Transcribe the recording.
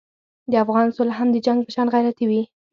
د افغان سوله هم د جنګ په شان غیرتي وي.